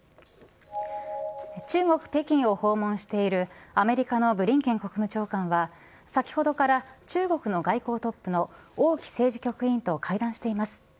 中国・北京を訪問しているアメリカのブリンケン国務長官は、先ほどから中国の外交トップの、王毅政治局員と会談しています。